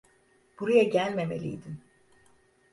Buraya gelmemeliydin.